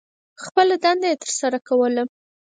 خپله دنده یې تر سرہ کوله.